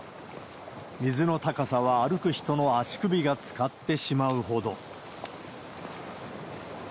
水の高さは、歩く人の足首がつかってしまうほど。